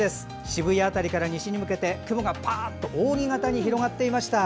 渋谷辺りから西に向けて雲がパーッと扇形に広がっていました。